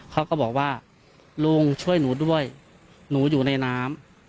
เขาก็บอกว่าลุงช่วยหนูด้วยหนูอยู่ในน้ำ